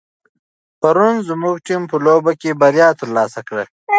پرون زموږ ټیم په لوبه کې بریا ترلاسه کړه.